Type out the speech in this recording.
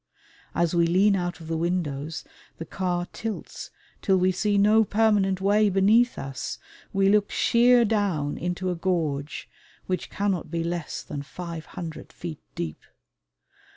As we lean out of the windows the car tilts till we see no permanent way beneath us. We look sheer down into a gorge which cannot be less than five hundred feet deep.